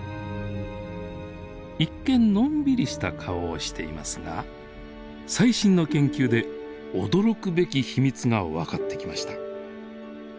一見のんびりした顔をしていますが最新の研究で驚くべき秘密が分かってきました。